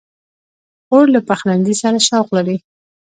خور له پخلنځي سره شوق لري.